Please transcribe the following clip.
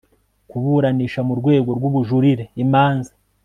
kuburanisha mu rwego rw ubujurire imanza